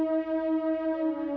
selamat jalan ji